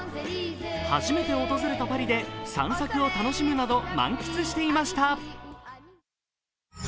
初めて訪れたパリで散策を楽しむなど満喫していました。